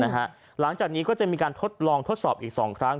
หลังจากนี้ก็จะมีการทดลองทดสอบอีก๒ครั้ง